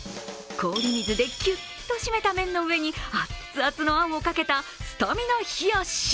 氷水できゅっと締めた麺の上にアツアツのあんをかけたスタミナ冷やし。